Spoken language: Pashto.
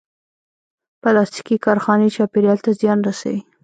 پلاستيکي کارخانې چاپېریال ته زیان رسوي.